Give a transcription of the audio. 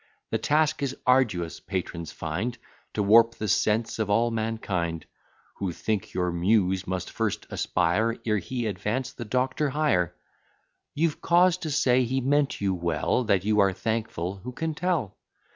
The task is arduous, patrons find, To warp the sense of all mankind: Who think your Muse must first aspire, Ere he advance the doctor higher. You've cause to say he meant you well: That you are thankful, who can tell?